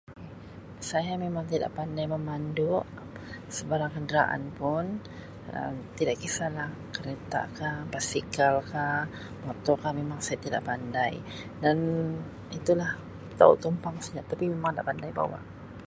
Saya memang tidak pandai memandu sebarang kenderaan pun Um tidak kisahlah kereta ka, basikal ka, motor ka memang saya tidak pandai dan itulah tau tumpang saja tapi memang inda pandai bawa.